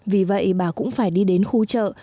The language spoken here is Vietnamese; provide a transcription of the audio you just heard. vì vậy bà cũng phải đi đến khu chợ